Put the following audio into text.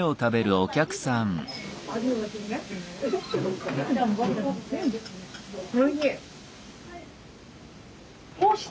おいしい。